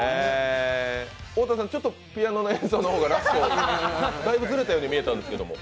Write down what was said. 太田さん、ちょっとピアノの演奏の方が、だいぶずれたようなんですけれども。